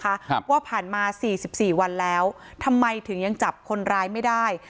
ครับว่าผ่านมาสี่สิบสี่วันแล้วทำไมถึงยังจับคนร้ายไม่ได้